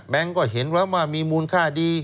ก็เห็นแล้วว่ามีมูลค่าดี